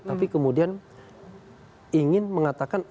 tapi kemudian ingin mengatakan